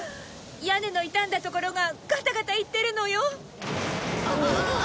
屋根の傷んだところがガタガタいってるのよ。